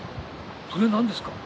「それなんですか？」